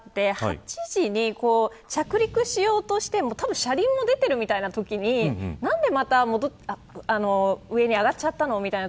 ８時に着陸しようとしてたぶん車輪も出ているみたいなときに何で、また上にあがっちゃったのみたいな。